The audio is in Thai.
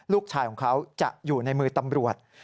ลูกชายของเขาจะอยู่ในมือตำรวจ